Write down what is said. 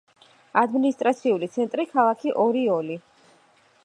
ადმინისტრაციული ცენტრი ქალაქი ორიოლი.